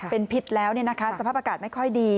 เป็นพิษแล้วสภาพอากาศไม่ค่อยดี